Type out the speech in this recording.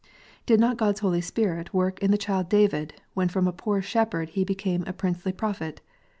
Did not God s Holy Spirit work in the child David, when from a poor shepherd he became a princely prophet 1